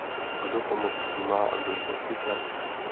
Kdo pomoc přijímá a kdo ji poskytne?